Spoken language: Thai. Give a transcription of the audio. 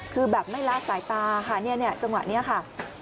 คือแบบไม่ละสายตาค่ะเนี่ยจังหวะนี้ค่ะ